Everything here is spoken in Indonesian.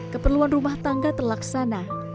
keperluan rumah tangga telaksana